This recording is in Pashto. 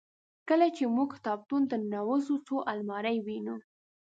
کله چې موږ کتابتون ته ننوزو څو المارۍ وینو.